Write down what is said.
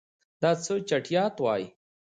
دا څه چټیات وایې.